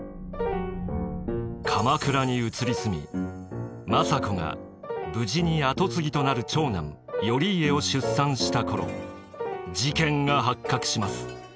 鎌倉に移り住み政子が無事に跡継ぎとなる長男頼家を出産した頃事件が発覚します。